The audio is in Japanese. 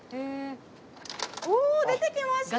おお出てきました！